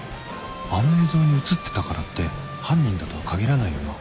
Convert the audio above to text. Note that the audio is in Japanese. あの映像に映ってたからって犯人だとは限らないよな